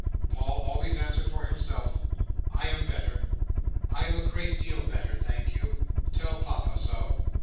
Paul always answered for himself, "I am better. I am a great deal better, thank you! Tell Papa so!"